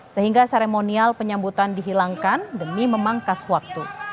sehingga seremonial penyambutan dihilangkan demi memangkas waktu